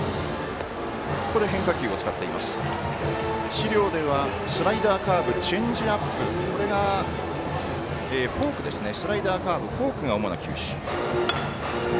資料ではスライダー、カーブチェンジアップスライダー、カーブ、フォークが主な球種。